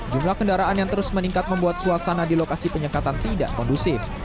jumlah kendaraan yang terus meningkat membuat suasana di lokasi penyekatan tidak kondusif